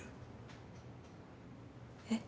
えっ？